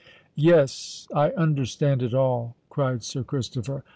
"Yes—I understand it all!" cried Sir Christopher.